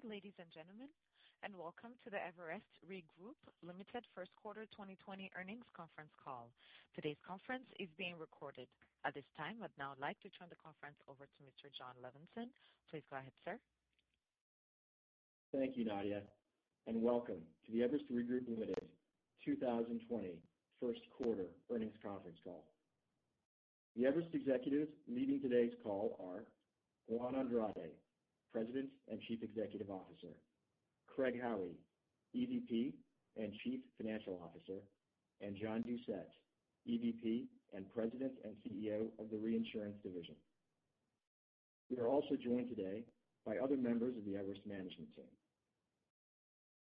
Good day, ladies and gentlemen, and welcome to the Everest Re Group, Ltd. First Quarter 2020 Earnings Conference Call. Today's conference is being recorded. At this time, I'd now like to turn the conference over to Mr. Jon Levenson. Please go ahead, sir. Thank you, Nadia, and welcome to the Everest Re Group, Ltd. 2020 First Quarter Earnings Conference Call. The Everest executives leading today's call are Juan Andrade, President and Chief Executive Officer, Craig Howie, EVP and Chief Financial Officer, and John Doucette, EVP and President and CEO of the Reinsurance Division. We are also joined today by other members of the Everest management team.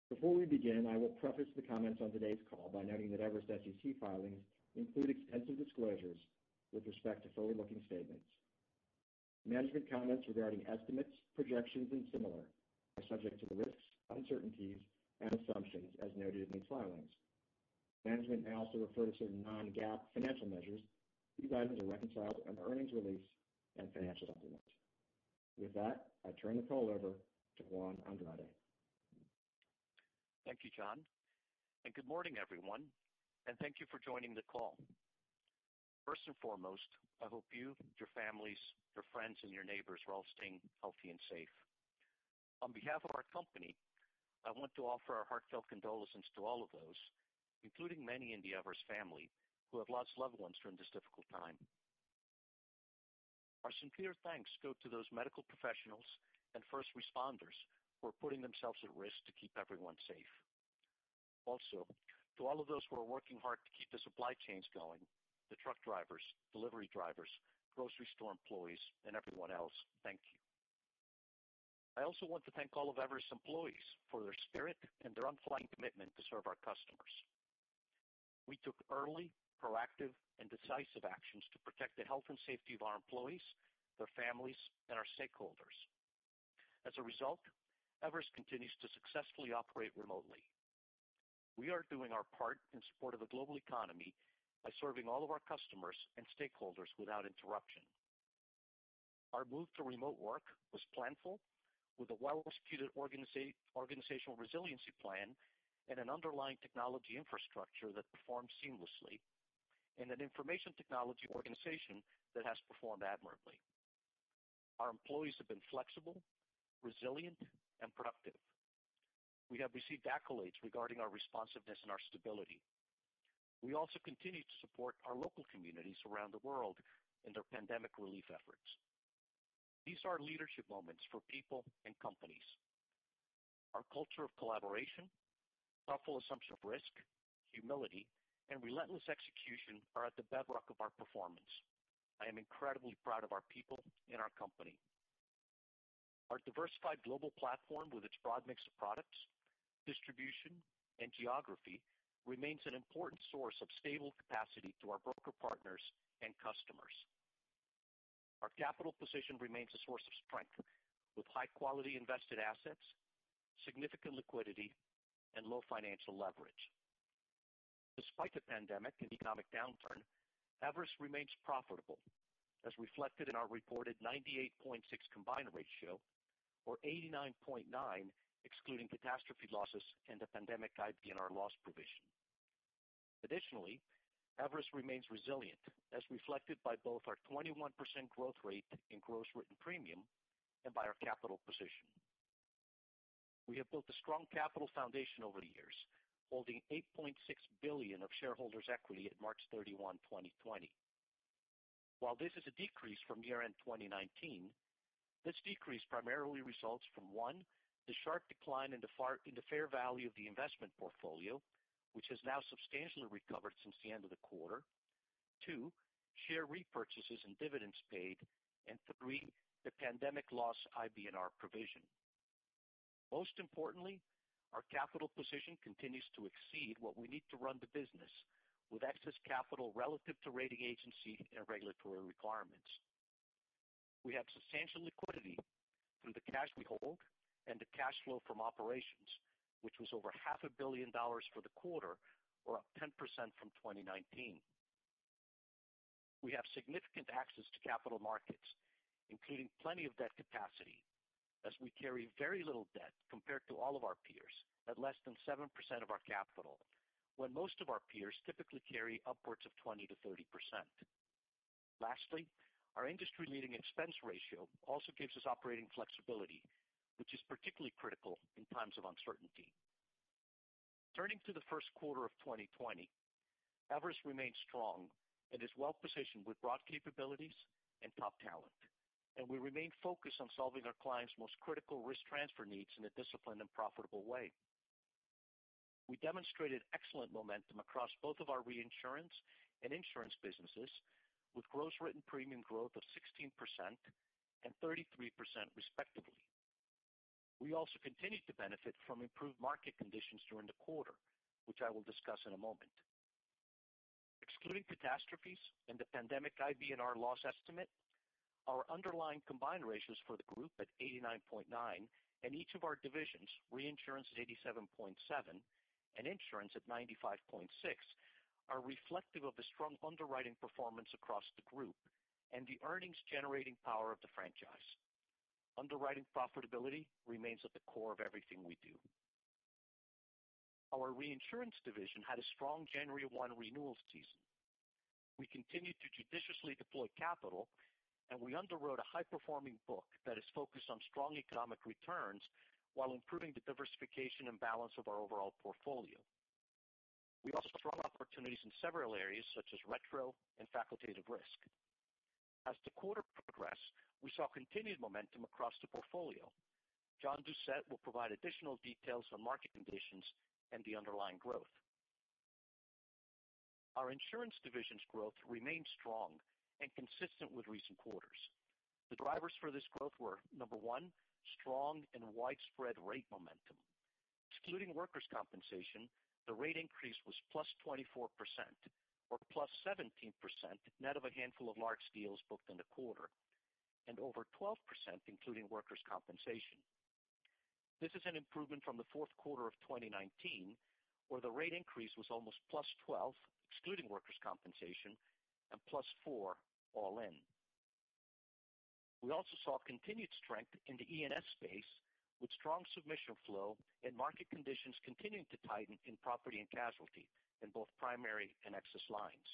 Before we begin, I will preface the comments on today's call by noting that Everest SEC filings include extensive disclosures with respect to forward-looking statements. Management comments regarding estimates, projections, and similar are subject to the risks, uncertainties, and assumptions as noted in these filings. Management may also refer to certain non-GAAP financial measures. These items are reconciled in the earnings release and financial documents. With that, I turn the call over to Juan Andrade. Thank you, Jon, and good morning, everyone, and thank you for joining the call. First and foremost, I hope you, your families, your friends, and your neighbors are all staying healthy and safe. On behalf of our company, I want to offer our heartfelt condolences to all of those, including many in the Everest family, who have lost loved ones during this difficult time. Our sincere thanks go to those medical professionals and first responders who are putting themselves at risk to keep everyone safe. Also, to all of those who are working hard to keep the supply chains going, the truck drivers, delivery drivers, grocery store employees, and everyone else, thank you. I also want to thank all of Everest's employees for their spirit and their unfailing commitment to serve our customers. We took early, proactive, and decisive actions to protect the health and safety of our employees, their families, and our stakeholders. As a result, Everest continues to successfully operate remotely. We are doing our part in support of the global economy by serving all of our customers and stakeholders without interruption. Our move to remote work was planful, with a well-executed organizational resiliency plan and an underlying technology infrastructure that performed seamlessly, and an information technology organization that has performed admirably. Our employees have been flexible, resilient, and productive. We have received accolades regarding our responsiveness and our stability. We also continue to support our local communities around the world in their pandemic relief efforts. These are leadership moments for people and companies. Our culture of collaboration, thoughtful assumption of risk, humility, and relentless execution are at the bedrock of our performance. I am incredibly proud of our people and our company. Our diversified global platform with its broad mix of products, distribution, and geography remains an important source of stable capacity to our broker partners and customers. Our capital position remains a source of strength with high-quality invested assets, significant liquidity, and low financial leverage. Despite the pandemic and economic downturn, Everest remains profitable, as reflected in our reported 98.6 combined ratio, or 89.9, excluding catastrophe losses and the pandemic IBNR loss provision. Additionally, Everest remains resilient, as reflected by both our 21% growth rate in gross written premium and by our capital position. We have built a strong capital foundation over the years, holding $8.6 billion of shareholders' equity at March 31, 2020. While this is a decrease from year-end 2019, this decrease primarily results from, one, the sharp decline in the fair value of the investment portfolio, which has now substantially recovered since the end of the quarter, two, share repurchases and dividends paid, and three, the pandemic loss IBNR provision. Most importantly, our capital position continues to exceed what we need to run the business with excess capital relative to rating agency and regulatory requirements. We have substantial liquidity through the cash we hold and the cash flow from operations, which was over half a billion dollars for the quarter or up 10% from 2019. We have significant access to capital markets, including plenty of debt capacity, as we carry very little debt compared to all of our peers at less than 7% of our capital, when most of our peers typically carry upwards of 20%-30%. Lastly, our industry-leading expense ratio also gives us operating flexibility, which is particularly critical in times of uncertainty. Turning to the first quarter of 2020, Everest remains strong and is well-positioned with broad capabilities and top talent. We remain focused on solving our clients' most critical risk transfer needs in a disciplined and profitable way. We demonstrated excellent momentum across both of our reinsurance and insurance businesses with gross written premium growth of 16% and 33% respectively. We also continued to benefit from improved market conditions during the quarter, which I will discuss in a moment. Excluding catastrophes and the pandemic IBNR loss estimate, our underlying combined ratios for the group at 89.9 and each of our divisions, reinsurance at 87.7 and insurance at 95.6, are reflective of the strong underwriting performance across the group and the earnings-generating power of the franchise. Underwriting profitability remains at the core of everything we do. Our reinsurance division had a strong January one renewal season. We continued to judiciously deploy capital, we underwrote a high-performing book that is focused on strong economic returns while improving the diversification and balance of our overall portfolio. We saw strong opportunities in several areas, such as retro and facultative risk. As the quarter progressed, we saw continued momentum across the portfolio. John Doucette will provide additional details on market conditions and the underlying growth. Our insurance division's growth remains strong and consistent with recent quarters. The drivers for this growth were, number one, strong and widespread rate momentum. Excluding workers' compensation, the rate increase was +24%, or +17% net of a handful of large deals booked in the quarter, and over 12% including workers' compensation. This is an improvement from the fourth quarter of 2019, where the rate increase was almost +12% excluding workers' compensation and +4% all in. We also saw continued strength in the E&S space, with strong submission flow and market conditions continuing to tighten in property and casualty in both primary and excess lines.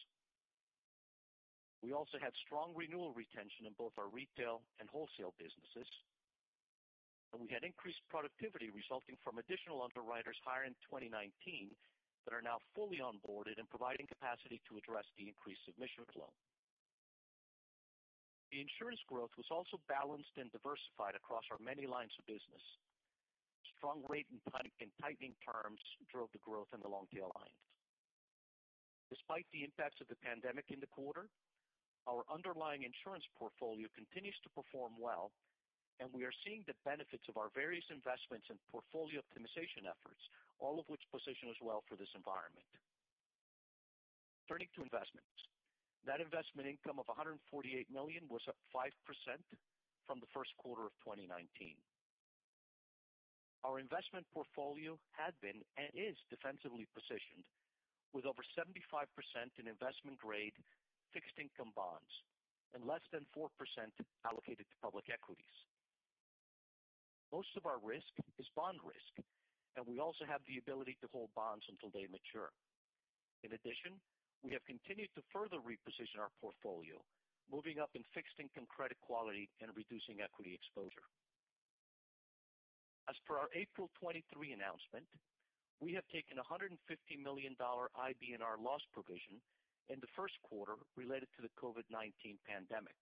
We also had strong renewal retention in both our retail and wholesale businesses, and we had increased productivity resulting from additional underwriters hired in 2019 that are now fully onboarded and providing capacity to address the increased submission flow. The insurance growth was also balanced and diversified across our many lines of business. Strong rate and tightening terms drove the growth in the long-tail lines. Despite the impacts of the pandemic in the quarter, our underlying insurance portfolio continues to perform well, and we are seeing the benefits of our various investments and portfolio optimization efforts, all of which position us well for this environment. Turning to investments. Net investment income of $148 million was up 5% from the first quarter of 2019. Our investment portfolio had been and is defensively positioned, with over 75% in investment-grade fixed income bonds and less than 4% allocated to public equities. Most of our risk is bond risk, and we also have the ability to hold bonds until they mature. We have continued to further reposition our portfolio, moving up in fixed income credit quality and reducing equity exposure. As per our April 23 announcement, we have taken $150 million IBNR loss provision in the first quarter related to the COVID-19 pandemic.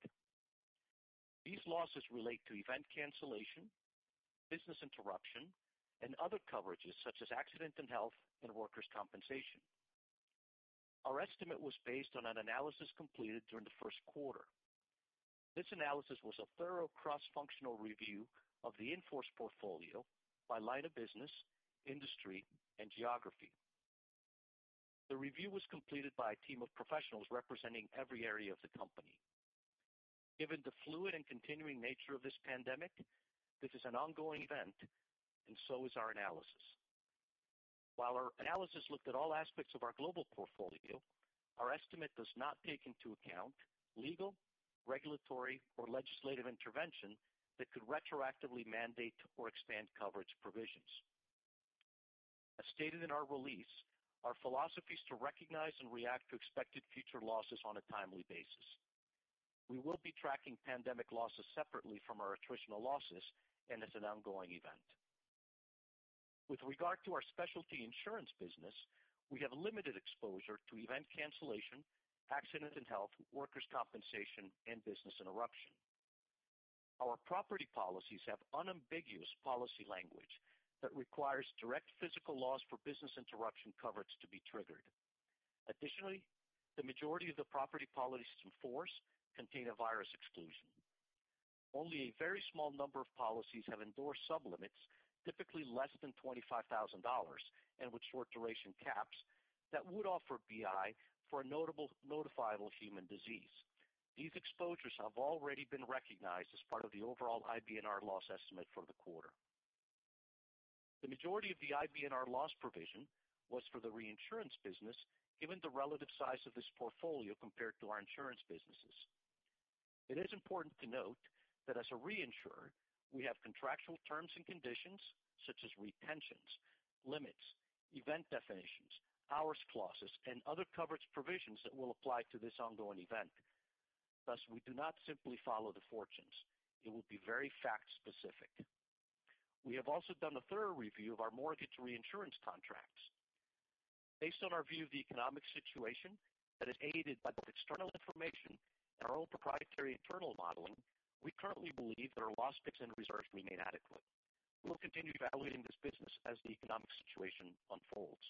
These losses relate to Event Cancellation, Business Interruption, and other coverages such as Accident and Health and Workers' Compensation. Our estimate was based on an analysis completed during the First Quarter. This analysis was a thorough cross-functional review of the in-force portfolio by line of business, industry, and geography. The review was completed by a team of professionals representing every area of the company. Given the fluid and continuing nature of this pandemic, this is an ongoing event, and so is our analysis. While our analysis looked at all aspects of our global portfolio, our estimate does not take into account legal, regulatory, or legislative intervention that could retroactively mandate or expand coverage provisions. As stated in our release, our philosophy is to recognize and react to expected future losses on a timely basis. We will be tracking pandemic losses separately from our attritional losses, and as an ongoing event. With regard to our specialty insurance business, we have limited exposure to event cancellation, Accident & Health, workers' compensation, and Business Interruption. Our property policies have unambiguous policy language that requires direct physical loss for Business Interruption coverage to be triggered. Additionally, the majority of the property policies in force contain a virus exclusion. Only a very small number of policies have endorsed sublimits, typically less than $25,000, and with short duration caps that would offer BI for a notifiable human disease. These exposures have already been recognized as part of the overall IBNR loss estimate for the quarter. The majority of the IBNR loss provision was for the reinsurance business, given the relative size of this portfolio compared to our insurance businesses. It is important to note that as a reinsurer, we have contractual terms and conditions such as retentions, limits, event definitions, hours clauses, and other coverage provisions that will apply to this ongoing event. Thus, we do not simply follow the fortunes. It will be very fact-specific. We have also done a thorough review of our mortgage reinsurance contracts. Based on our view of the economic situation that is aided by both external information and our own proprietary internal modeling, we currently believe that our loss picks and reserves remain adequate. We will continue evaluating this business as the economic situation unfolds.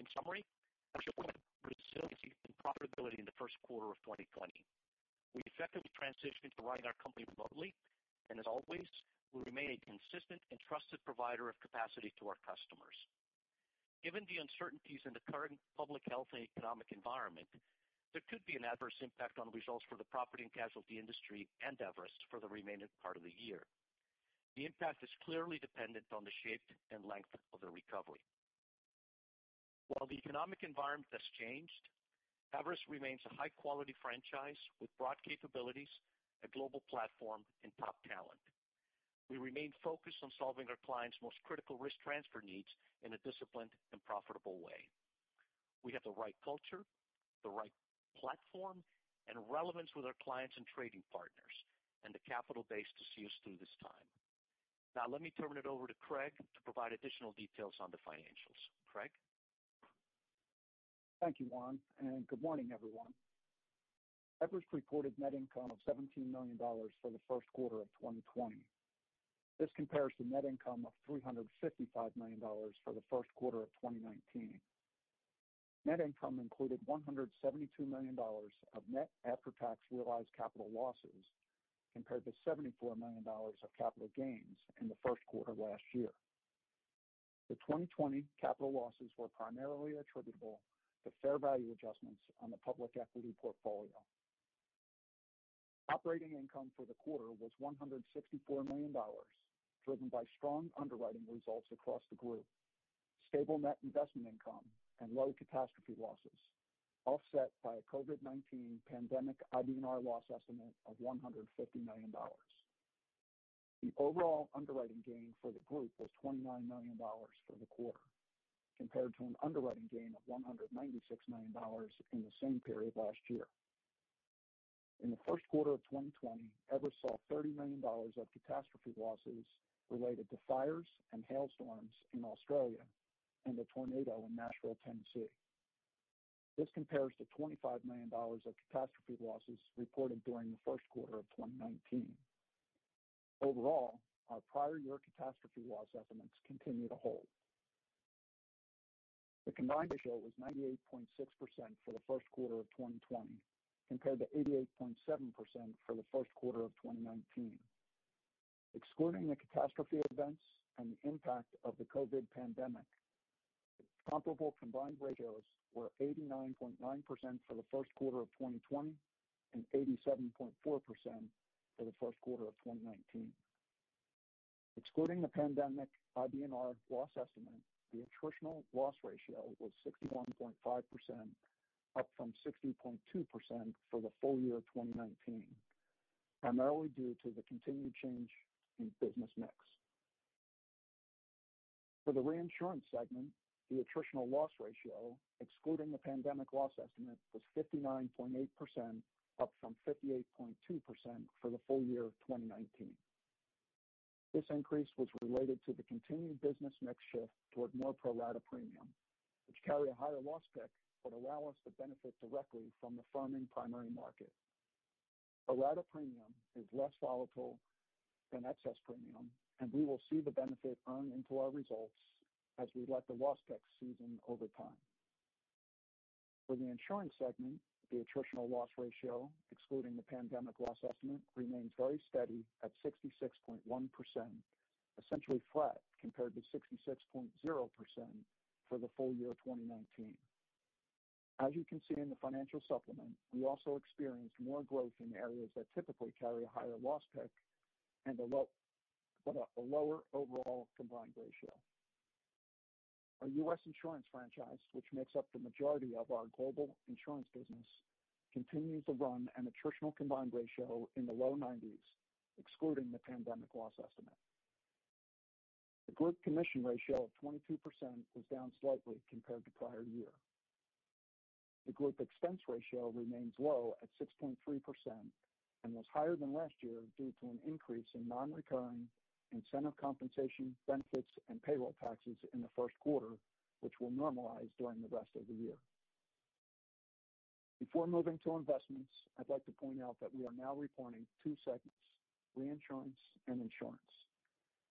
In summary, I will show you resiliency and profitability in the first quarter of 2020. We effectively transitioned to running our company remotely, and as always, we remain a consistent and trusted provider of capacity to our customers. Given the uncertainties in the current public health and economic environment, there could be an adverse impact on results for the property and casualty industry and Everest for the remaining part of the year. The impact is clearly dependent on the shape and length of the recovery. While the economic environment has changed, Everest remains a high-quality franchise with broad capabilities, a global platform, and top talent. We remain focused on solving our clients' most critical risk transfer needs in a disciplined and profitable way. We have the right culture, the right platform, and relevance with our clients and trading partners, and the capital base to see us through this time. Now let me turn it over to Craig to provide additional details on the financials. Craig? Thank you, Juan, and good morning, everyone. Everest reported net income of $17 million for the first quarter of 2020. This compares to net income of $355 million for the first quarter of 2019. Net income included $172 million of net after-tax realized capital losses, compared to $74 million of capital gains in the first quarter of last year. The 2020 capital losses were primarily attributable to fair value adjustments on the public equity portfolio. Operating income for the quarter was $164 million, driven by strong underwriting results across the group, stable net investment income, and low catastrophe losses, offset by a COVID-19 pandemic IBNR loss estimate of $150 million. The overall underwriting gain for the group was $29 million for the quarter, compared to an underwriting gain of $196 million in the same period last year. In the first quarter of 2020, Everest saw $30 million of catastrophe losses related to fires and hailstorms in Australia and a tornado in Nashville, Tennessee. This compares to $25 million of catastrophe losses reported during the first quarter of 2019. Overall, our prior year catastrophe loss estimates continue to hold. The combined ratio was 98.6% for the first quarter of 2020, compared to 88.7% for the first quarter of 2019. Excluding the catastrophe events and the impact of the COVID-19 pandemic, comparable combined ratios were 89.9% for the first quarter of 2020 and 87.4% for the first quarter of 2019. Excluding the pandemic IBNR loss estimate, the attritional loss ratio was 61.5%, up from 60.2% for the full year of 2019, primarily due to the continued change in business mix. For the reinsurance segment, the attritional loss ratio, excluding the pandemic loss estimate, was 59.8%, up from 58.2% for the full year of 2019. This increase was related to the continued business mix shift toward more pro rata premium, which carry a higher loss pick, but allow us to benefit directly from the firming primary market. Pro rata premium is less volatile than excess premium, and we will see the benefit earn into our results as we let the loss pick season over time. For the insurance segment, the attritional loss ratio, excluding the pandemic loss estimate, remains very steady at 66.1%, essentially flat compared to 66.0% for the full year of 2019. As you can see in the financial supplement, we also experienced more growth in areas that typically carry a higher loss pick and a lower overall combined ratio. Our U.S. insurance franchise, which makes up the majority of our global insurance business, continues to run an attritional combined ratio in the low 90s, excluding the pandemic loss estimate. The group commission ratio of 22% was down slightly compared to prior year. The group expense ratio remains low at 6.3% and was higher than last year due to an increase in non-recurring incentive compensation benefits and payroll taxes in the first quarter, which will normalize during the rest of the year. Before moving to investments, I'd like to point out that we are now reporting two segments, Reinsurance and Insurance.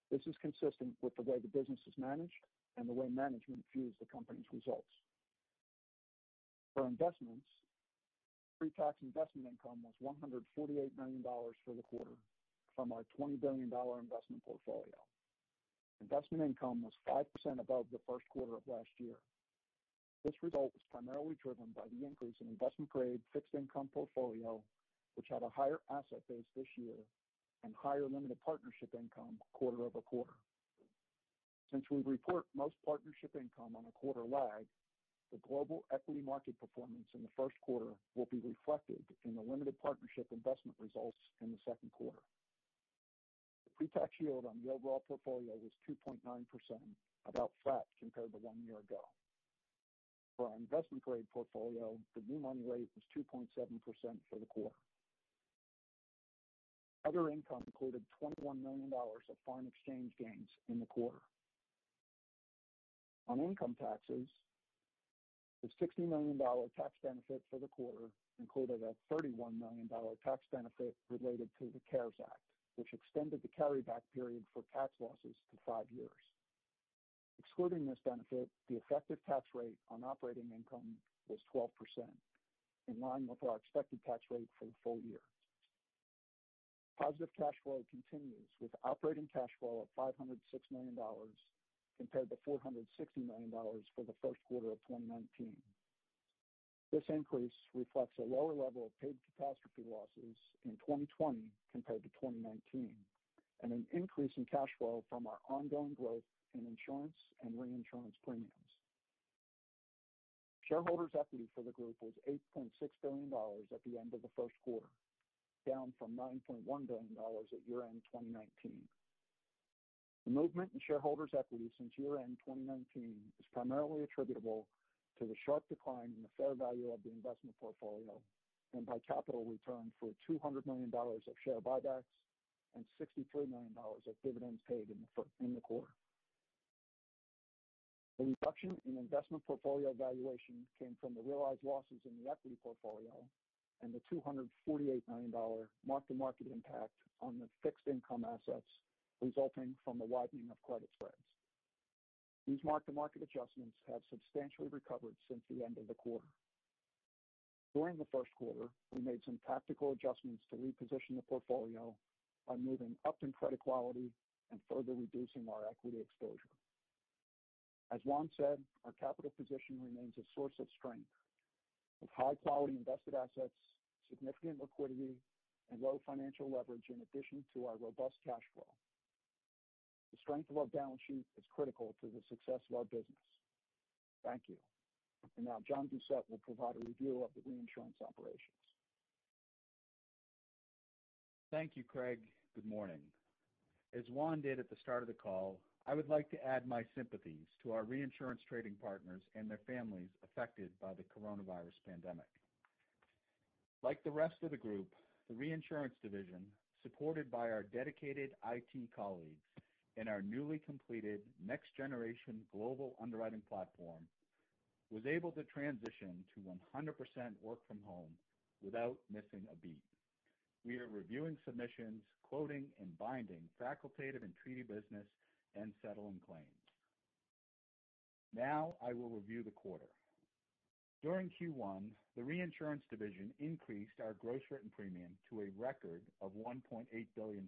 This is consistent with the way the business is managed and the way management views the company's results. For investments, pre-tax investment income was $148 million for the quarter from our $20 billion investment portfolio. Investment income was 5% above the first quarter of last year. This result was primarily driven by the increase in investment-grade fixed income portfolio, which had a higher asset base this year and higher limited partnership income quarter-over-quarter. Since we report most partnership income on a quarter lag, the global equity market performance in the first quarter will be reflected in the limited partnership investment results in the second quarter. The pre-tax yield on the overall portfolio was 2.9%, about flat compared to one year ago. For our investment-grade portfolio, the new money rate was 2.7% for the quarter. Other income included $21 million of foreign exchange gains in the quarter. On income taxes, the $60 million tax benefit for the quarter included a $31 million tax benefit related to the CARES Act, which extended the carryback period for tax losses to five years. Excluding this benefit, the effective tax rate on operating income was 12%, in line with our expected tax rate for the full year. Positive cash flow continues, with operating cash flow of $506 million compared to $460 million for the first quarter of 2019. This increase reflects a lower level of paid catastrophe losses in 2020 compared to 2019, and an increase in cash flow from our ongoing growth in insurance and reinsurance premiums. Shareholders' equity for the group was $8.6 billion at the end of the first quarter, down from $9.1 billion at year-end 2019. The movement in shareholders' equity since year-end 2019 is primarily attributable to the sharp decline in the fair value of the investment portfolio and by capital returned for $200 million of share buybacks and $63 million of dividends paid in the quarter. The reduction in investment portfolio valuation came from the realized losses in the equity portfolio and the $248 million mark-to-market impact on the fixed income assets resulting from the widening of credit spreads. These mark-to-market adjustments have substantially recovered since the end of the quarter. During the first quarter, we made some tactical adjustments to reposition the portfolio by moving up in credit quality and further reducing our equity exposure. As Juan said, our capital position remains a source of strength, with high-quality invested assets, significant liquidity, and low financial leverage in addition to our robust cash flow. The strength of our balance sheet is critical to the success of our business. Thank you. Now John Doucette will provide a review of the reinsurance operations. Thank you, Craig. Good morning. As Juan did at the start of the call, I would like to add my sympathies to our reinsurance trading partners and their families affected by the coronavirus pandemic. Like the rest of the group, the Reinsurance Division, supported by our dedicated IT colleagues and our newly completed next-generation global underwriting platform, was able to transition to 100% work from home without missing a beat. We are reviewing submissions, quoting, and binding facultative and treaty business, and settling claims. I will review the quarter. During Q1, the Reinsurance Division increased our gross written premium to a record of $1.8 billion,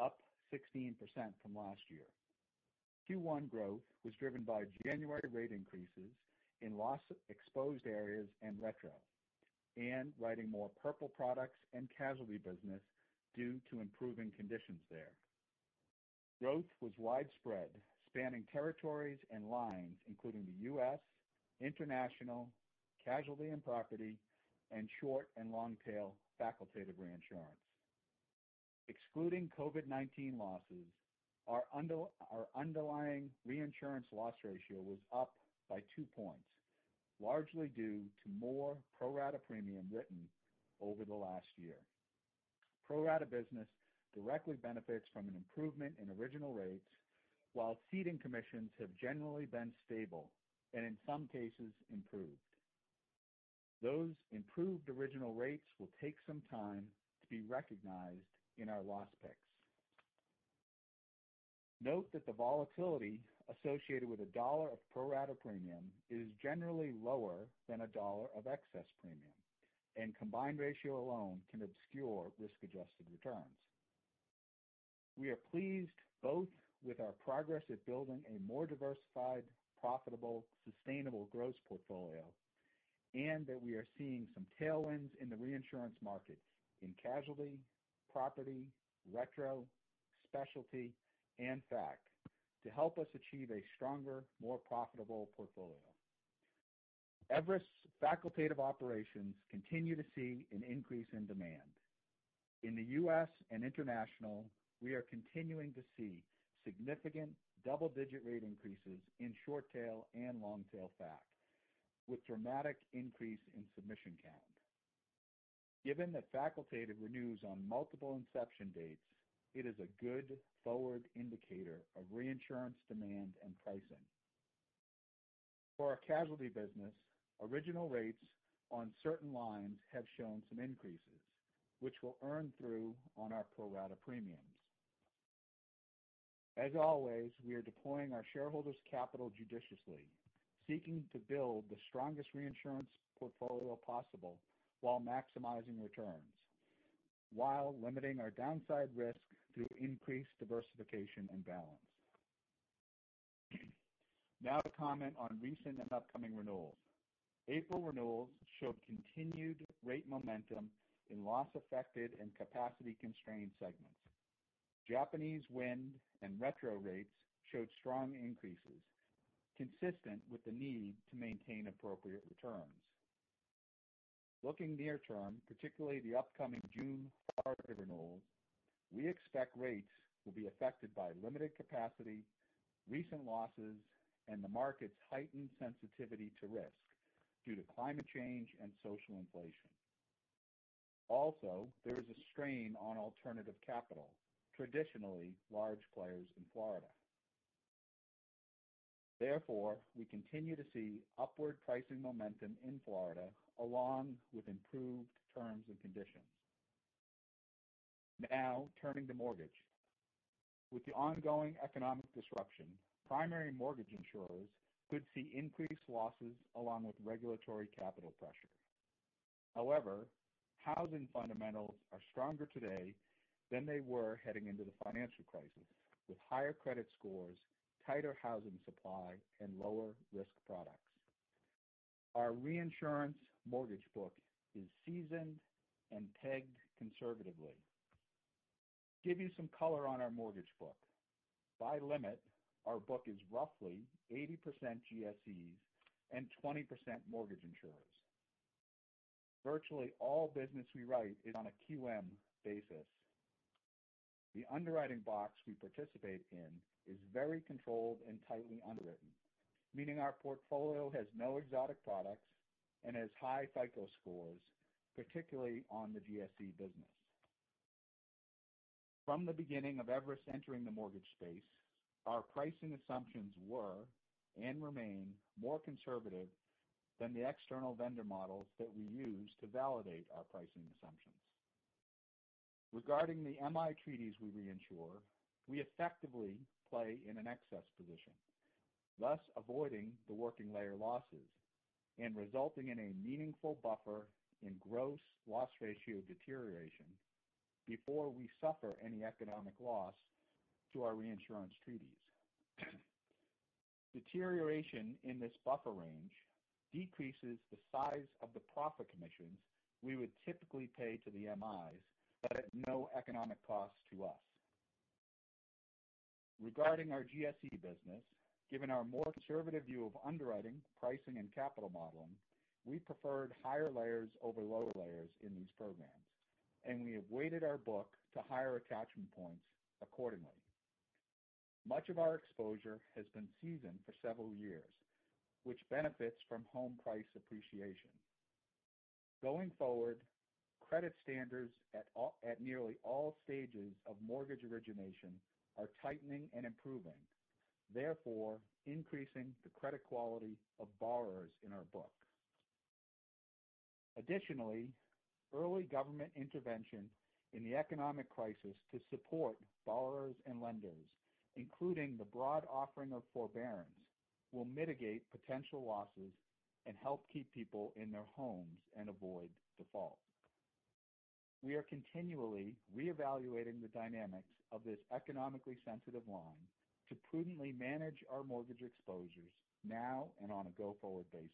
up 16% from last year. Q1 growth was driven by January rate increases in loss-exposed areas and retro, and writing more property and casualty business due to improving conditions there. Growth was widespread, spanning territories and lines including the U.S., international, casualty and property, and short and long-tail facultative reinsurance. Excluding COVID-19 losses, our underlying reinsurance loss ratio was up by two points, largely due to more pro rata premium written over the last year. Pro rata business directly benefits from an improvement in original rates, while ceding commissions have generally been stable and in some cases improved. Those improved original rates will take some time to be recognized in our loss picks. Note that the volatility associated with a dollar of pro rata premium is generally lower than a dollar of excess premium, and combined ratio alone can obscure risk-adjusted returns. We are pleased both with our progress at building a more diversified, profitable, sustainable gross portfolio and that we are seeing some tailwinds in the reinsurance markets in casualty, property, retro, specialty, and FAC to help us achieve a stronger, more profitable portfolio. Everest facultative operations continue to see an increase in demand. In the U.S. and international, we are continuing to see significant double-digit rate increases in short tail and long tail FAC, with dramatic increase in submission count. Given that facultative renews on multiple inception dates, it is a good forward indicator of reinsurance demand and pricing. For our casualty business, original rates on certain lines have shown some increases, which we'll earn through on our pro rata premiums. As always, we are deploying our shareholders' capital judiciously, seeking to build the strongest reinsurance portfolio possible while maximizing returns, while limiting our downside risk through increased diversification and balance. Now to comment on recent and upcoming renewals. April renewals showed continued rate momentum in loss-affected and capacity-constrained segments. Japanese wind and retro rates showed strong increases, consistent with the need to maintain appropriate returns. Looking near term, particularly the upcoming June renewals, we expect rates will be affected by limited capacity, recent losses, and the market's heightened sensitivity to risk due to climate change and social inflation. There is a strain on alternative capital, traditionally large players in Florida. We continue to see upward pricing momentum in Florida, along with improved terms and conditions. Now turning to mortgage. With the ongoing economic disruption, primary mortgage insurers could see increased losses along with regulatory capital. However, housing fundamentals are stronger today than they were heading into the financial crisis, with higher credit scores, tighter housing supply, and lower risk products. Our reinsurance mortgage book is seasoned and pegged conservatively. Give you some color on our mortgage book. By limit, our book is roughly 80% GSEs and 20% mortgage insurers. Virtually all business we write is on a QM basis. The underwriting box we participate in is very controlled and tightly underwritten, meaning our portfolio has no exotic products and has high FICO scores, particularly on the GSE business. From the beginning of Everest entering the mortgage space, our pricing assumptions were, and remain, more conservative than the external vendor models that we use to validate our pricing assumptions. Regarding the MI treaties we reinsure, we effectively play in an excess position, thus avoiding the working layer losses and resulting in a meaningful buffer in gross loss ratio deterioration before we suffer any economic loss to our reinsurance treaties. Deterioration in this buffer range decreases the size of the profit commissions we would typically pay to the MIs but at no economic cost to us. Regarding our GSE business, given our more conservative view of underwriting, pricing, and capital modeling, we preferred higher layers over lower layers in these programs, and we have weighted our book to higher attachment points accordingly. Much of our exposure has been seasoned for several years, which benefits from home price appreciation. Going forward, credit standards at nearly all stages of mortgage origination are tightening and improving, therefore increasing the credit quality of borrowers in our book. Additionally, early government intervention in the economic crisis to support borrowers and lenders, including the broad offering of forbearance, will mitigate potential losses and help keep people in their homes and avoid default. We are continually reevaluating the dynamics of this economically sensitive line to prudently manage our mortgage exposures now and on a go-forward basis.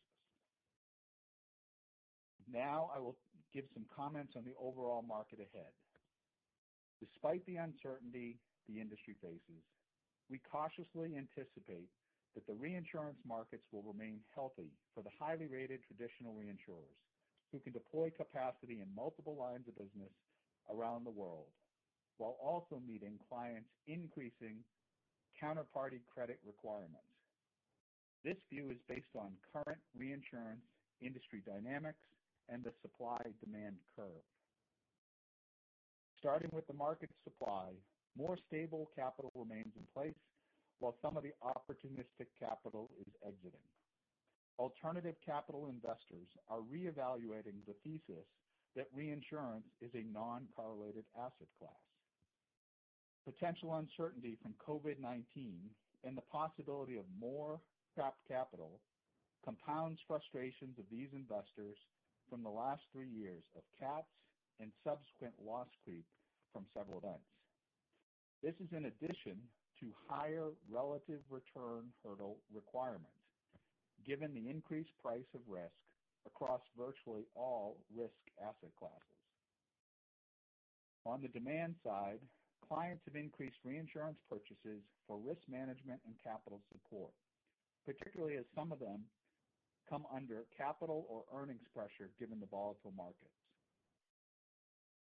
Now I will give some comments on the overall market ahead. Despite the uncertainty the industry faces, we cautiously anticipate that the reinsurance markets will remain healthy for the highly rated traditional reinsurers who can deploy capacity in multiple lines of business around the world while also meeting clients' increasing counterparty credit requirements. This view is based on current reinsurance industry dynamics and the supply-demand curve. Starting with the market supply, more stable capital remains in place while some of the opportunistic capital is exiting. Alternative capital investors are reevaluating the thesis that reinsurance is a non-correlated asset class. Potential uncertainty from COVID-19 and the possibility of more trapped capital compounds frustrations of these investors from the last three years of cats and subsequent loss creep from several events. This is in addition to higher relative return hurdle requirements, given the increased price of risk across virtually all risk asset classes. On the demand side, clients have increased reinsurance purchases for risk management and capital support, particularly as some of them come under capital or earnings pressure given the volatile markets.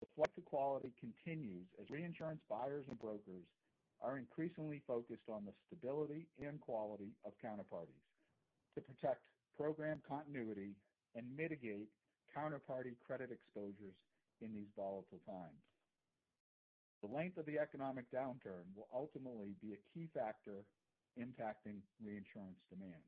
The flight to quality continues as reinsurance buyers and brokers are increasingly focused on the stability and quality of counterparties to protect program continuity and mitigate counterparty credit exposures in these volatile times. The length of the economic downturn will ultimately be a key factor impacting reinsurance demand.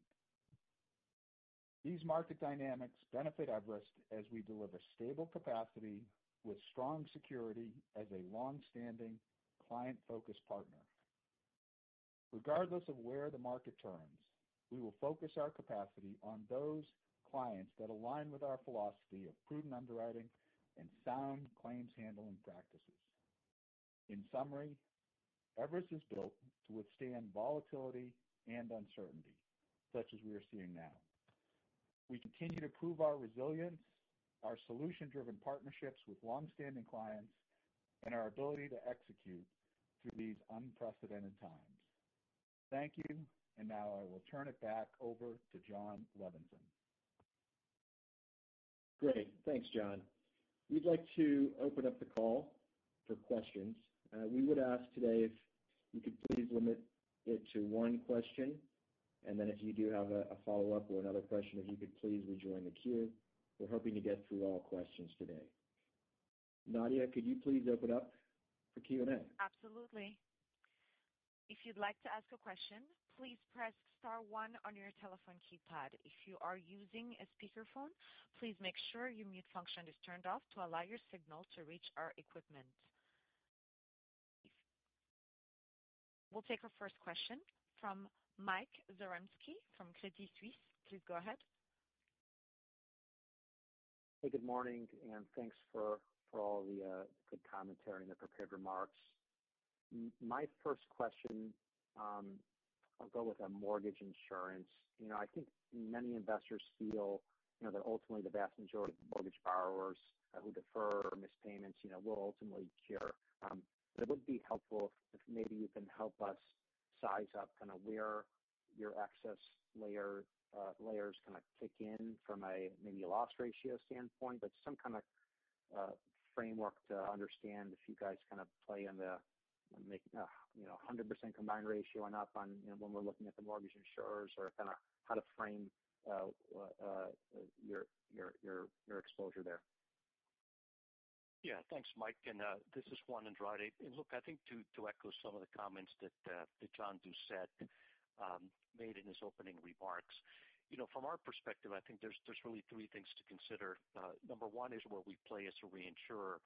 These market dynamics benefit Everest as we deliver stable capacity with strong security as a long-standing client-focused partner. Regardless of where the market turns, we will focus our capacity on those clients that align with our philosophy of prudent underwriting and sound claims handling practices. In summary, Everest is built to withstand volatility and uncertainty, such as we are seeing now. We continue to prove our resilience, our solution-driven partnerships with long-standing clients, and our ability to execute through these unprecedented times. Thank you. Now I will turn it back over to Jon Levenson. Great. Thanks, John. We'd like to open up the call for questions. We would ask today if you could please limit it to one question, and then if you do have a follow-up or another question, if you could please rejoin the queue. We're hoping to get through all questions today. Nadia, could you please open up for Q&A? Absolutely. If you'd like to ask a question, please press star one on your telephone keypad. If you are using a speakerphone, please make sure your mute function is turned off to allow your signal to reach our equipment. We'll take our first question from Mike Zaremski from Credit Suisse. Please go ahead. Hey, good morning, and thanks for all the good commentary and the prepared remarks. My first question, I'll go with mortgage insurance. I think many investors feel that ultimately the vast majority of mortgage borrowers who defer or miss payments will ultimately cure. It would be helpful if maybe you can help us size up where your excess layers kind of kick in from a maybe loss ratio standpoint, but some kind of framework to understand if you guys kind of play in the 100% combined ratio and up on when we're looking at the mortgage insurers or kind of how to frame your exposure there. Yeah. Thanks, Mike. This is Juan Andrade. Look, I think to echo some of the comments that John Doucette made in his opening remarks, from our perspective, I think there's really three things to consider. Number one is where we play as a reinsurer.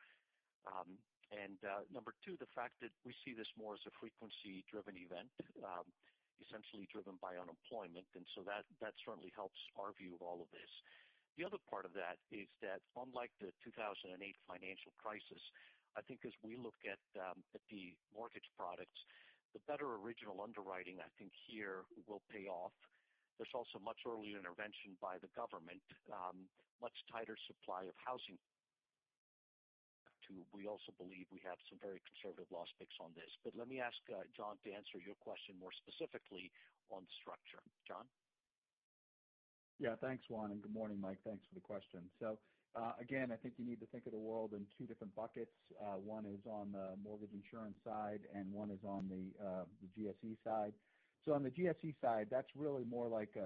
Number two, the fact that we see this more as a frequency-driven event, essentially driven by unemployment. That certainly helps our view of all of this. The other part of that is that unlike the 2008 financial crisis, I think as we look at the mortgage products, the better original underwriting, I think here will pay off. There's also much earlier intervention by the government, much tighter supply of housing too. We also believe we have some very conservative loss picks on this. Let me ask John to answer your question more specifically on structure. John? Yeah. Thanks, Juan, and good morning, Mike. Thanks for the question. Again, I think you need to think of the world in two different buckets. One is on the mortgage insurance side and one is on the GSE side. On the GSE side, that's really more like a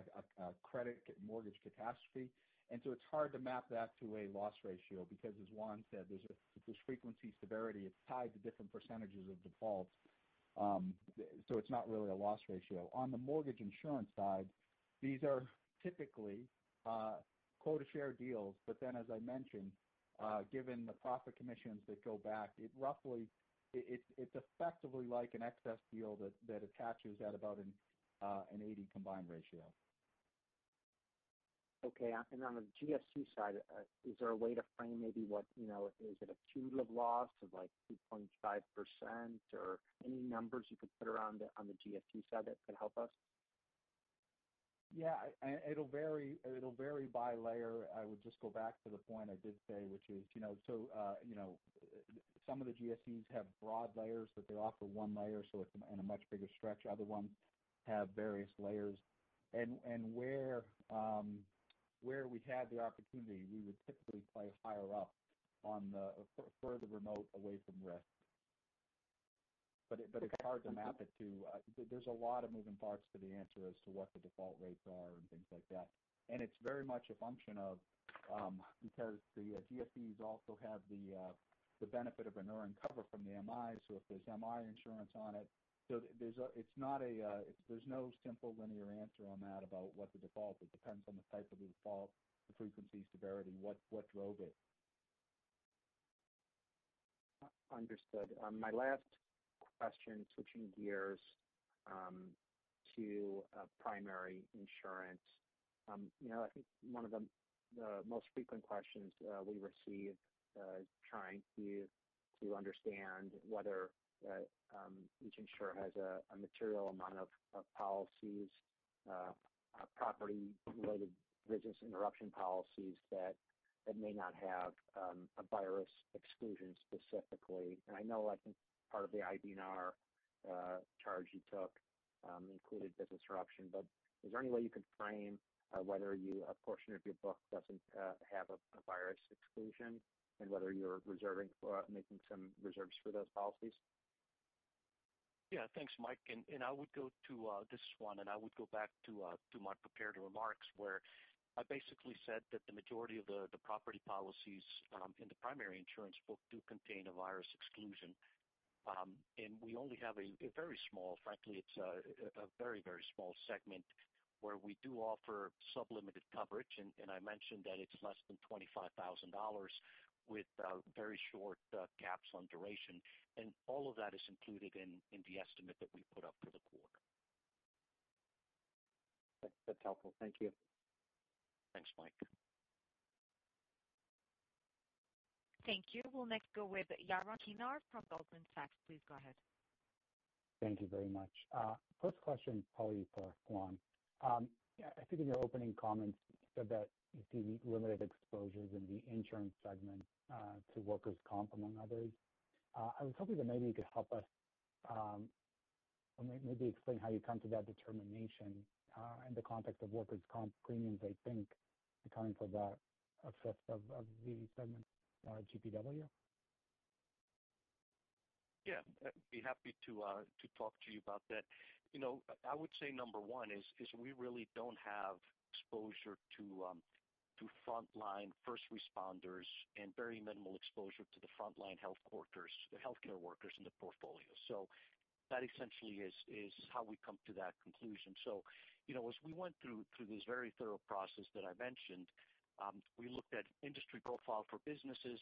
credit mortgage catastrophe. It's hard to map that to a loss ratio because as Juan said, there's frequency severity. It's tied to different percentages of defaults. It's not really a loss ratio. On the mortgage insurance side, these are typically quota share deals. As I mentioned, given the profit commissions that go back, it's effectively like an excess deal that attaches at about an 80 combined ratio. Okay. On the GSE side, is there a way to frame maybe what is it, a cumulative loss of 2.5%? Any numbers you could put around on the GSE side that could help us? Yeah. It'll vary by layer. I would just go back to the point I did say, which is some of the GSEs have broad layers, but they offer one layer, so in a much bigger stretch. Other ones have various layers. Where we had the opportunity, we would typically play higher up on the further remote away from risk. It's hard to map it to there's a lot of moving parts to the answer as to what the default rates are and things like that. It's very much a function of, because the GSEs also have the benefit of an earn cover from the MI, so if there's MI insurance on it. There's no simple linear answer on that about what the default is. It depends on the type of the default, the frequency, severity, what drove it. Understood. My last question, switching gears to primary insurance. I think one of the most frequent questions we receive is trying to understand whether each insurer has a material amount of policies, property-related business interruption policies that may not have a virus exclusion specifically. I know I think part of the IBNR charge you took included business interruption. Is there any way you could frame whether a portion of your book doesn't have a virus exclusion and whether you're making some reserves for those policies? Yeah. Thanks, Mike. I would go back to my prepared remarks where I basically said that the majority of the property policies in the primary insurance book do contain a virus exclusion. We only have a very small, frankly, it's a very small segment where we do offer sub-limited coverage, and I mentioned that it's less than $25,000 with very short caps on duration. All of that is included in the estimate that we put up for the quarter. That's helpful. Thank you. Thanks, Mike. Thank you. We'll next go with Yaron Kinar from Goldman Sachs. Please go ahead. Thank you very much. First question is probably for Juan. I think in your opening comments, you said that you see limited exposures in the insurance segment to workers' comp, among others. I was hoping that maybe you could help us and maybe explain how you come to that determination in the context of workers' comp premiums, I think accounting for that effect of the segment on GPW. Yeah. I'd be happy to talk to you about that. I would say number one is we really don't have exposure to frontline first responders and very minimal exposure to the frontline health workers, the healthcare workers in the portfolio. That essentially is how we come to that conclusion. As we went through this very thorough process that I mentioned, we looked at industry profile for businesses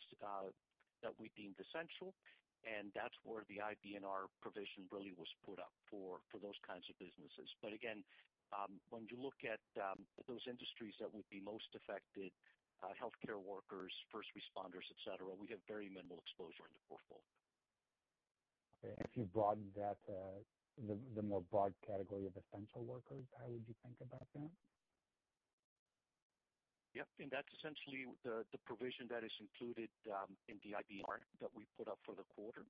that we deemed essential, and that's where the IBNR provision really was put up for those kinds of businesses. Again, when you look at those industries that would be most affected, healthcare workers, first responders, et cetera, we have very minimal exposure in the portfolio. If you broaden that, the more broad category of essential workers, how would you think about that? Yep. That's essentially the provision that is included in the IBNR that we put up for the quarter.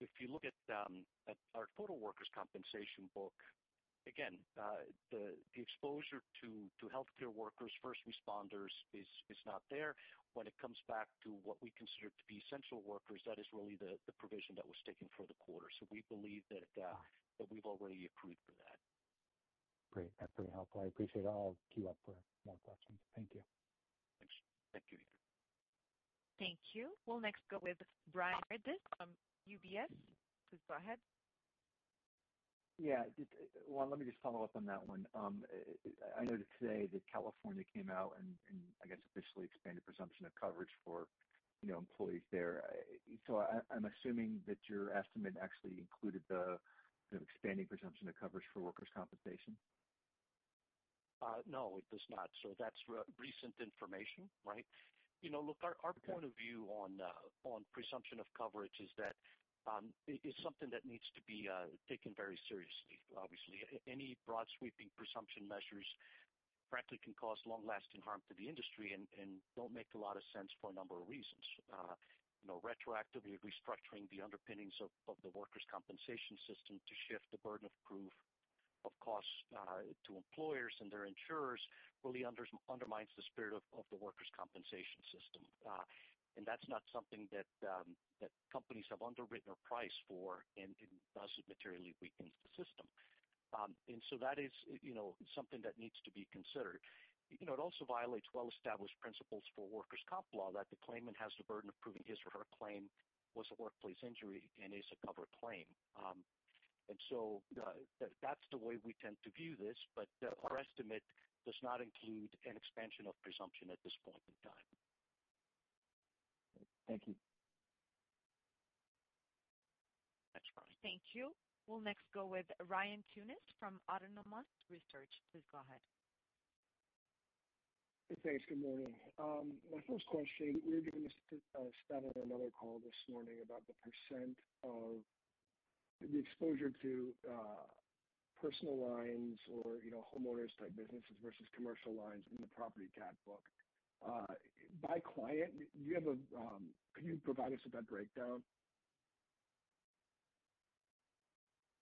If you look at our total workers' compensation book, again, the exposure to healthcare workers, first responders is not there. When it comes back to what we consider to be essential workers, that is really the provision that was taken for the quarter. We believe that we've already accrued for that. Great. That's pretty helpful. I appreciate it. I'll queue up for more questions. Thank you. Thanks. Thank you. Thank you. We'll next go with Brian Meredith from UBS. Please go ahead. Yeah. Juan, let me just follow up on that one. I noted today that California came out and I guess officially expanded presumption of coverage for employees there. I'm assuming that your estimate actually included the expanding presumption of coverage for workers' compensation. No, it does not. That's recent information, right? Look, our point of view on presumption of coverage is that it's something that needs to be taken very seriously. Obviously, any broad sweeping presumption measures frankly can cause long lasting harm to the industry and don't make a lot of sense for a number of reasons. Retroactively restructuring the underpinnings of the workers' compensation system to shift the burden of proof of costs to employers and their insurers really undermines the spirit of the workers' compensation system. That's not something that companies have underwritten or priced for and thus it materially weakens the system. That is something that needs to be considered. It also violates well-established principles for workers' comp law that the claimant has the burden of proving his or her claim was a workplace injury and is a covered claim. That's the way we tend to view this, but our estimate does not include an expansion of presumption at this point in time. Thank you. That's fine. Thank you. We'll next go with Ryan Tunis from Autonomous Research. Please go ahead. Thanks. Good morning. My first question, we were given a stat on another call this morning about the % of the exposure to personal lines or homeowners type businesses versus commercial lines in the property cat book. By client, can you provide us with that breakdown?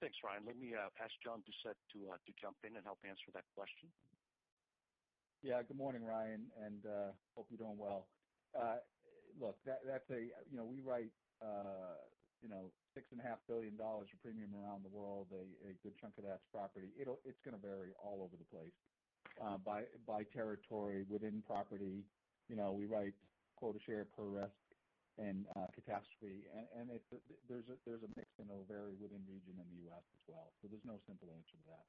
Thanks, Ryan. Let me pass John Doucette to jump in and help answer that question. Yeah. Good morning, Ryan. Hope you're doing well. Look, we write six and a half billion dollars of premium around the world. A good chunk of that's property. It's going to vary all over the place by territory within property. We write quota share, per risk and catastrophe. There's a mix and it'll vary within region in the U.S. as well. There's no simple answer to that.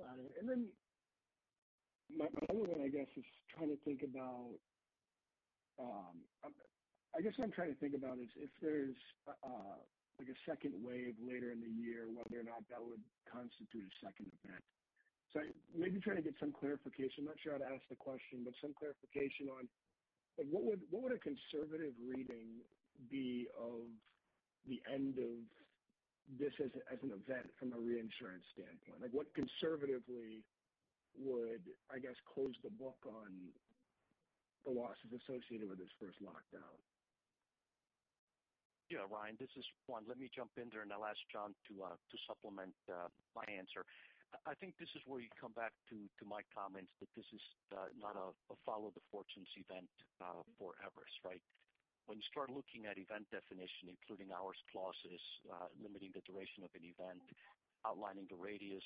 Got it. My other one, I guess, is trying to think about if there's a second wave later in the year, whether or not that would constitute a second event. Maybe trying to get some clarification, I'm not sure how to ask the question, but some clarification on what would a conservative reading be of the end of this as an event from a reinsurance standpoint? What conservatively would, I guess, close the book on the losses associated with this first lockdown? Yeah, Ryan, this is Juan. Let me jump in there and I'll ask John to supplement my answer. I think this is where you come back to my comments that this is not a follow the fortunes event for Everest, right? When you start looking at event definition, including hours clauses limiting the duration of an event, outlining the radius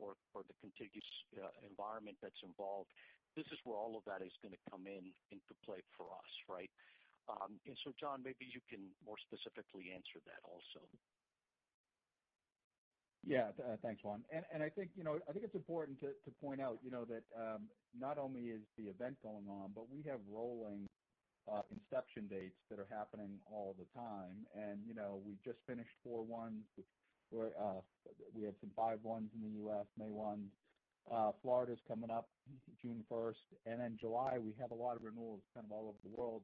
or the contiguous environment that's involved, this is where all of that is going to come in into play for us, right? John, maybe you can more specifically answer that also. Yeah. Thanks, Juan. I think it's important to point out that not only is the event going on, but we have rolling inception dates that are happening all the time. We just finished four ones. We had some five ones in the U.S., May 1. Florida's coming up 1stJune. July, we have a lot of renewals kind of all over the world.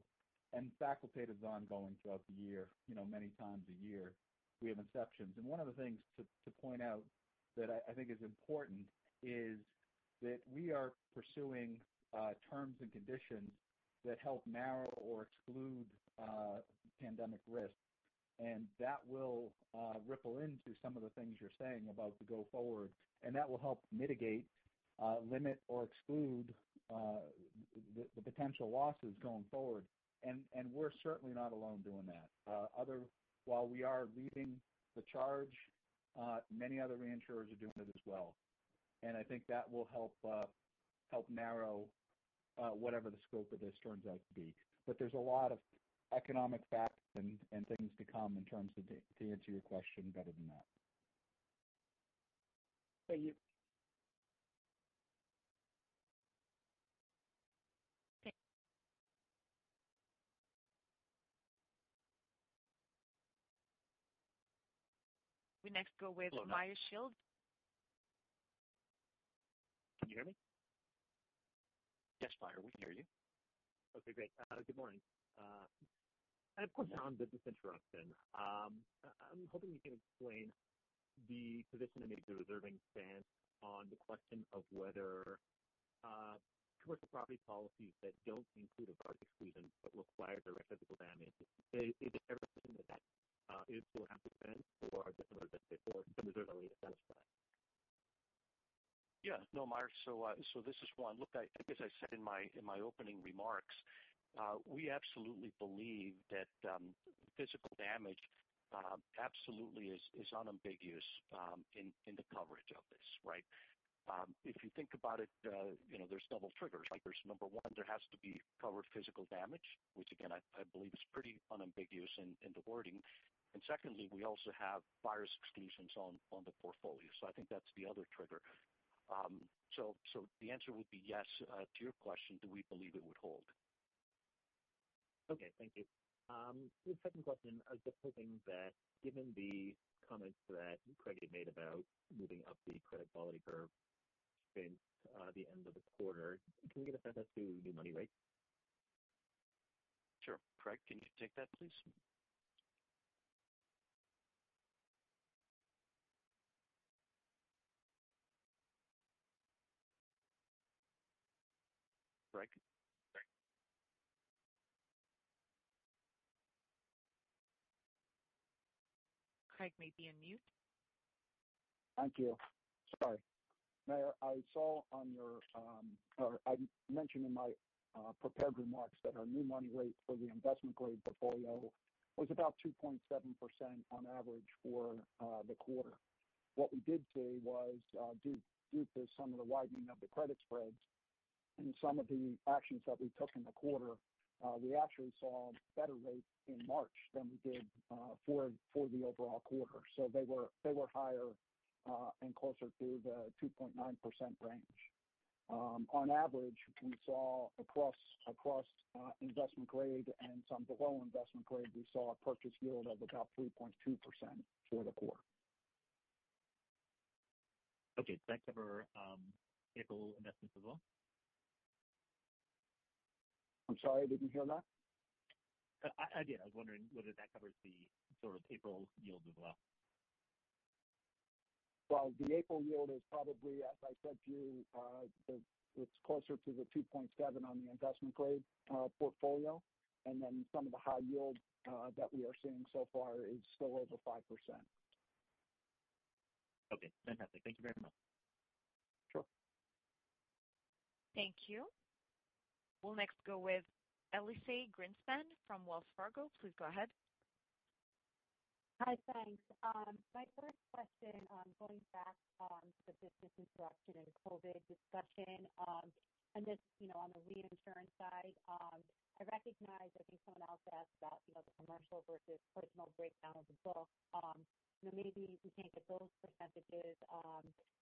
FAC is ongoing throughout the year, many times a year we have inceptions. One of the things to point out that I think is important is that we are pursuing terms and conditions that help narrow or exclude pandemic risk. That will ripple into some of the things you're saying about the go forward, and that will help mitigate, limit or exclude the potential losses going forward. We're certainly not alone doing that. While we are leading the charge, many other reinsurers are doing it as well, I think that will help narrow whatever the scope of this turns out to be. There's a lot of economic factors and things to come to answer your question better than that. Thank you. We next go with Meyer Shields. Can you hear me? Yes, Meyer, we can hear you. Okay, great. Good morning. I have a question on business interruption. I'm hoping you can explain the position that maybe the reserving stance on the question of whether commercial property policies that don't include a virus exclusion but require direct physical damage, is everything that is still have a defense or similar that they bought some reserves are satisfied? Yeah. No, Meyer. This is Juan. I guess I said in my opening remarks, we absolutely believe that physical damage absolutely is unambiguous in the coverage of this, right? If you think about it, there's double triggers. There's number one, there has to be covered physical damage, which again, I believe is pretty unambiguous in the wording, and secondly, we also have virus exclusions on the portfolio. I think that's the other trigger. The answer would be yes, to your question, do we believe it would hold? Okay. Thank you. The second question is just hoping that given the comments that Craig had made about moving up the credit quality curve since the end of the quarter, can we get a sense as to new money rates? Sure. Craig, can you take that, please? Craig? Craig may be on mute. Thank you. Sorry. Meyer, I mentioned in my prepared remarks that our new money rate for the investment grade portfolio was about 2.7% on average for the quarter. What we did see was due to some of the widening of the credit spreads and some of the actions that we took in the quarter, we actually saw better rates in March than we did for the overall quarter. They were higher and closer to the 2.9% range. On average, we saw across investment grade and some below investment grade, we saw a purchase yield of about 3.2% for the quarter. Okay. Does that cover April investments as well? I'm sorry, I didn't hear that. I did. I was wondering whether that covers the sort of April yield as well. Well, the April yield is probably, as I said to you, it's closer to the 2.7% on the investment grade portfolio, and then some of the high yield that we are seeing so far is still over 5%. Okay, fantastic. Thank you very much. Sure. Thank you. We'll next go with Elyse Greenspan from Wells Fargo. Please go ahead. Hi, thanks. My first question, going back on the business interruption and COVID discussion, and just on the reinsurance side, I recognize I think someone else asked about the commercial versus personal breakdown of the book. Maybe you can't get those percentages,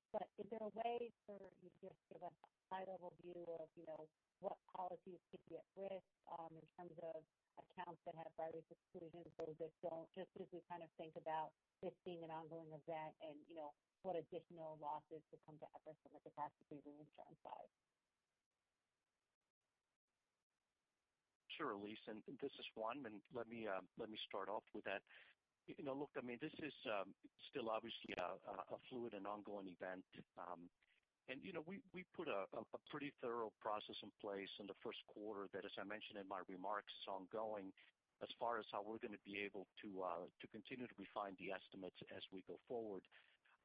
but is there a way for you to give a high-level view of what policies could be at risk, in terms of accounts that have virus exclusions versus those that don't, just as we kind of think about this being an ongoing event and what additional losses could come to Everest on the catastrophe reinsurance side? Sure, Elyse. This is Juan. Let me start off with that. Look, this is still obviously a fluid and ongoing event. We put a pretty thorough process in place in the first quarter that, as I mentioned in my remarks, is ongoing as far as how we're going to be able to continue to refine the estimates as we go forward.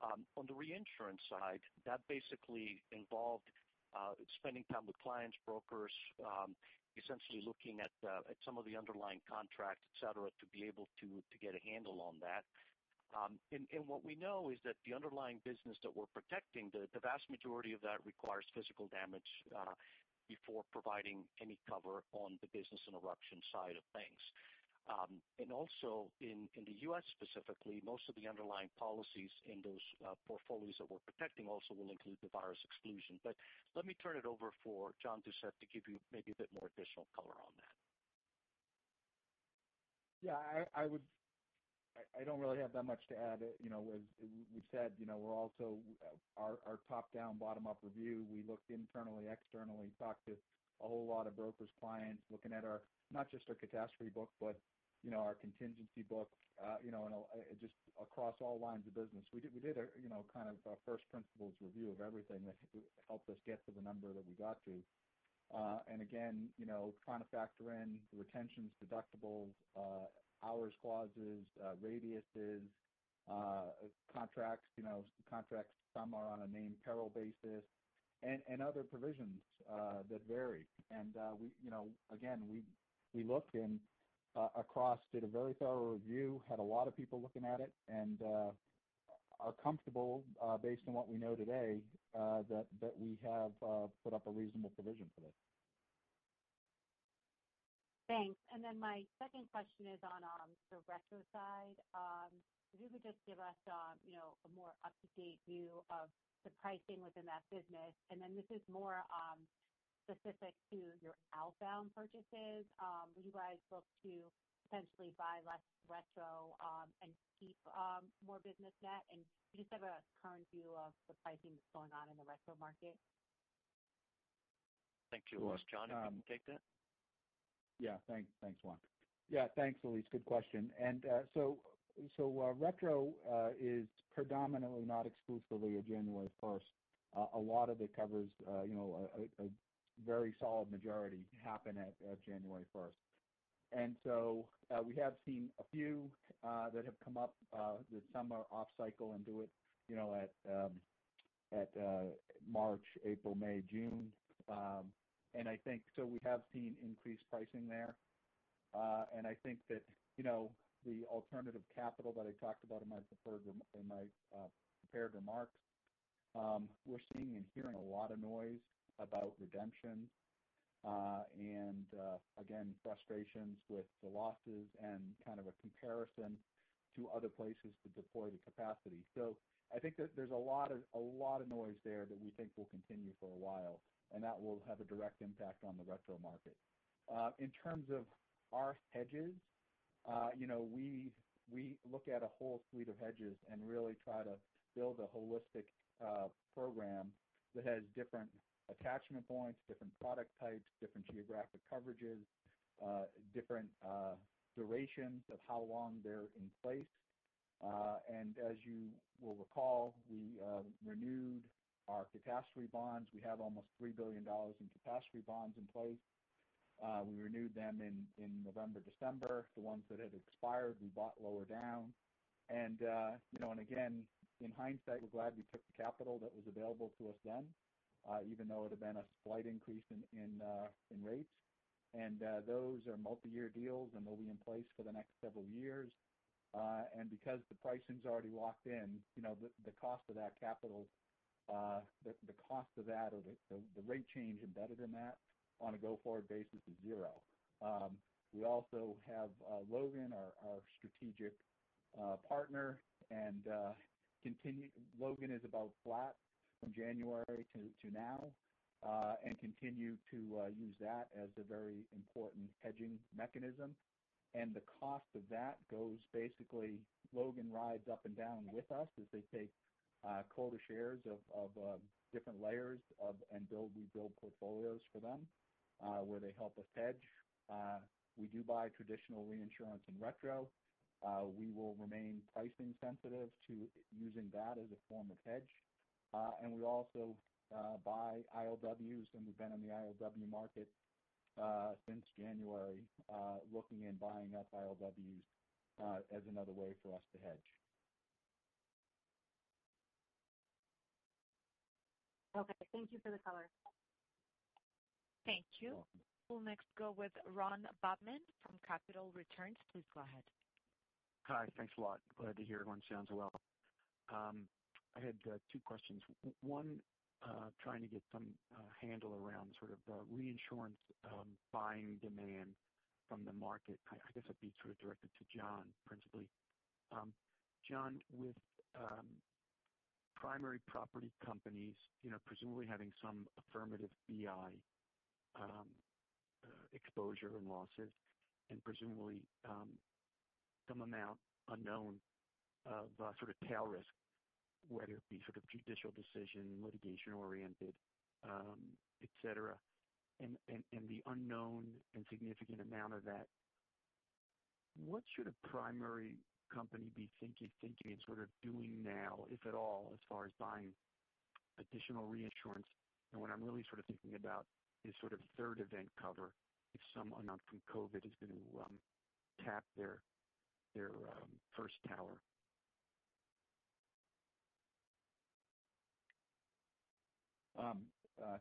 On the reinsurance side, that basically involved spending time with clients, brokers, essentially looking at some of the underlying contracts, et cetera, to be able to get a handle on that. What we know is that the underlying business that we're protecting, the vast majority of that requires physical damage before providing any cover on the business interruption side of things. Also in the U.S. specifically, most of the underlying policies in those portfolios that we're protecting also will include the virus exclusion. Let me turn it over for John Doucette to give you maybe a bit more additional color on that. Yeah, I don't really have that much to add. As we've said, our top-down, bottom-up review, we looked internally, externally, talked to a whole lot of brokers, clients, looking at not just our catastrophe book, but our contingency book, and just across all lines of business. We did a kind of first principles review of everything that helped us get to the number that we got to. Again, trying to factor in retentions, deductibles, hours clauses, radiuses, contracts. Contracts, some are on a named peril basis and other provisions that vary. Again, we looked and across did a very thorough review, had a lot of people looking at it and are comfortable based on what we know today, that we have put up a reasonable provision for this. Thanks. My second question is on the retro side. If you could just give us a more up-to-date view of the pricing within that business, and then this is more specific to your outbound purchases. Will you guys look to potentially buy less retro and keep more business net? Do you just have a current view of the pricing that's going on in the retro market? Thank you, Elyse. John, if you can take that. Thanks, Juan. Thanks, Elyse. Good question. Retro is predominantly, not exclusively, a 1st January. A lot of it covers a very solid majority happen at 1st January. We have seen a few that have come up that some are off cycle and do it at March, April, May, June. I think so we have seen increased pricing there. I think that the alternative capital that I talked about in my prepared remarks, we're seeing and hearing a lot of noise about redemption. Again, frustrations with the losses and kind of a comparison to other places to deploy the capacity. I think that there's a lot of noise there that we think will continue for a while, and that will have a direct impact on the retro market. In terms of our hedges, we look at a whole suite of hedges and really try to build a holistic program that has different attachment points, different product types, different geographic coverages, different durations of how long they're in place. As you will recall, we renewed our catastrophe bonds. We have almost $3 billion in catastrophe bonds in place. We renewed them in November, December. The ones that had expired, we bought lower down. Again, in hindsight, we're glad we took the capital that was available to us then, even though it had been a slight increase in rates. Those are multi-year deals, and they'll be in place for the next several years. Because the pricing's already locked in, the cost of that capital, or the rate change embedded in that on a go-forward basis is zero. We also have Logan, our strategic partner, and Logan is about flat from January to now, and continue to use that as a very important hedging mechanism. The cost of that goes basically, Logan rides up and down with us as they take quota shares of different layers and we build portfolios for them, where they help us hedge. We do buy traditional reinsurance and retro. We will remain pricing sensitive to using that as a form of hedge. We also buy ILWs, and we've been in the ILW market since January, looking and buying up ILWs as another way for us to hedge. Okay. Thank you for the color. Thank you. We'll next go with Ron Bobman from Capital Returns. Please go ahead. Hi. Thanks a lot. Glad to hear everyone sounds well. I had two questions. One, trying to get some handle around the reinsurance buying demand from the market. I guess that'd be sort of directed to John, principally. John, with primary property companies presumably having some affirmative BI exposure and losses, and presumably some amount unknown of tail risk, whether it be judicial decision, litigation oriented, et cetera, and the unknown and significant amount of that. What should a primary company be thinking and sort of doing now, if at all, as far as buying additional reinsurance? What I'm really thinking about is third event cover if some amount from COVID is going to tap their first tower.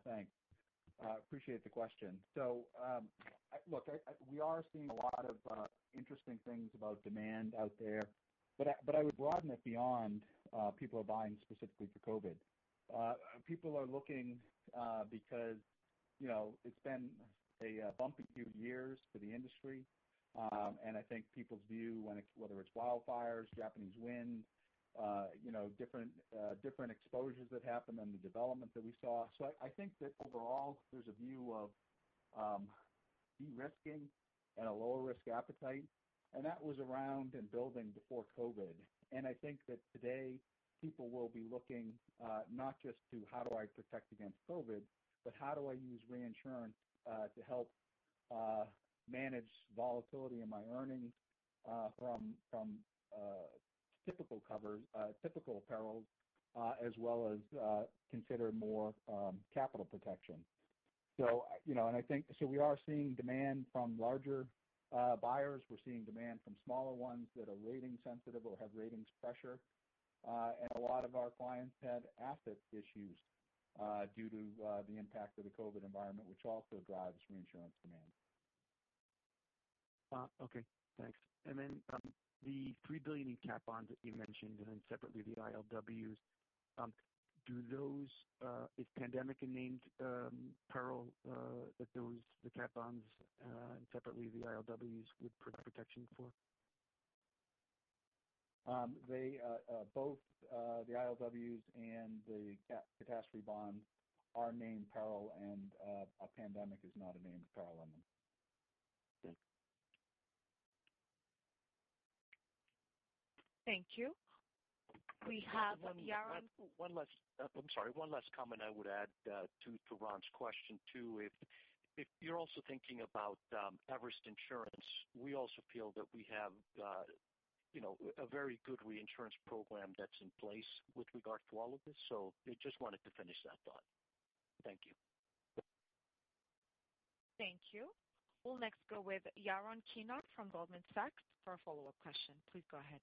Thanks. Appreciate the question. Look, we are seeing a lot of interesting things about demand out there, but I would broaden it beyond people are buying specifically for COVID. People are looking because it's been a bumpy few years for the industry. I think people's view, whether it's wildfires, Japanese wind, different exposures that happened and the development that we saw. I think that overall there's a view of de-risking and a lower risk appetite, and that was around and building before COVID. I think that today people will be looking not just to how do I protect against COVID, but how do I use reinsurance to help manage volatility in my earnings from typical cover, typical perils, as well as consider more capital protection. We are seeing demand from larger buyers. We're seeing demand from smaller ones that are rating sensitive or have ratings pressure. A lot of our clients had asset issues due to the impact of the COVID environment, which also drives reinsurance demand. Okay, thanks. The $3 billion in cat bonds that you mentioned, and then separately the ILWs, is pandemic a named peril that the cat bonds and separately the ILWs would provide protection for? Both the ILWs and the catastrophe bonds are named peril, and a pandemic is not a named peril on them. Thanks. Thank you. We have Yaron- One last, I'm sorry, one last comment I would add to Ron's question too. If you're also thinking about Everest Insurance, we also feel that we have a very good reinsurance program that's in place with regard to all of this. I just wanted to finish that thought. Thank you. Thank you. We'll next go with Yaron Kinar from Goldman Sachs for a follow-up question. Please go ahead.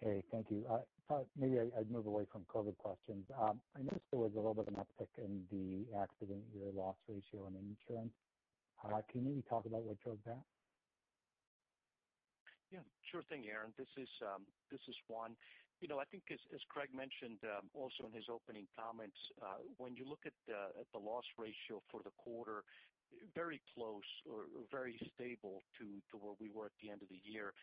Hey, thank you. I thought maybe I'd move away from COVID questions. I noticed there was a little bit of an uptick in the accident year loss ratio in insurance. Can you maybe talk about what drove that? Sure thing, Yaron. This is Juan. I think as Craig mentioned also in his opening comments, when you look at the loss ratio for the quarter, very close or very stable to where we were at the end of the year.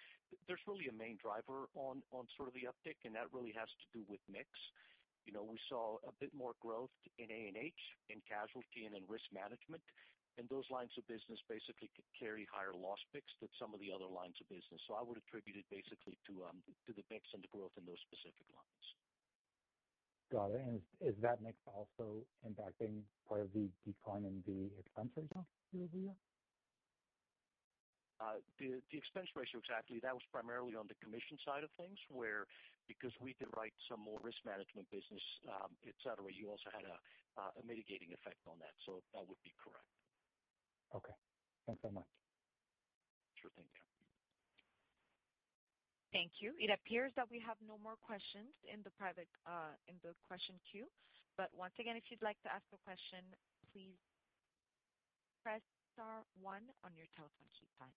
There's really a main driver on sort of the uptick, that really has to do with mix. We saw a bit more growth in A&H, in casualty, and in risk management, those lines of business basically carry higher loss picks than some of the other lines of business. I would attribute it basically to the mix and the growth in those specific lines. Got it. Is that mix also impacting part of the decline in the expense ratio year-over-year? The expense ratio, exactly. That was primarily on the commission side of things where, because we could write some more risk management business, et cetera, you also had a mitigating effect on that. That would be correct. Okay. Thanks so much. Sure thing. Thank you. It appears that we have no more questions in the question queue. Once again, if you'd like to ask a question, please press star one on your telephone keypad.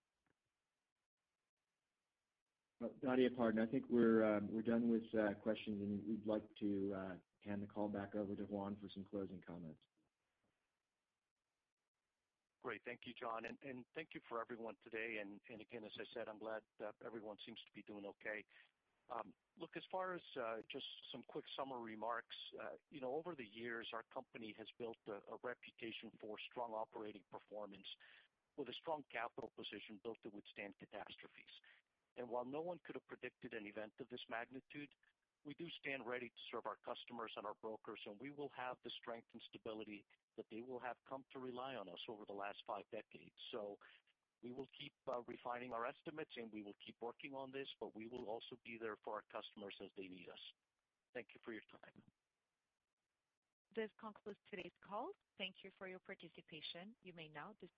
Natalia, pardon. I think we're done with questions, and we'd like to hand the call back over to Juan for some closing comments. Great. Thank you, Jon. Thank you for everyone today. Again, as I said, I'm glad everyone seems to be doing okay. Look, as far as just some quick summary remarks, over the years, our company has built a reputation for strong operating performance with a strong capital position built to withstand catastrophes. While no one could have predicted an event of this magnitude, we do stand ready to serve our customers and our brokers, and we will have the strength and stability that they will have come to rely on us over the last five decades. We will keep refining our estimates, and we will keep working on this, but we will also be there for our customers as they need us. Thank you for your time. This concludes today's call. Thank you for your participation. You may now disconnect.